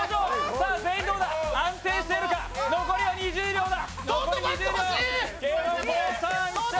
さあ、安定しているか、残りは２０秒だ。